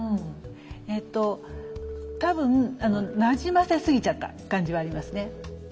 えっと多分なじませすぎちゃった感じはありますね。